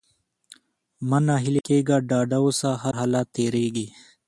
مه ناهيلی کېږه! ډاډه اوسه! هرحالت تېرېږي.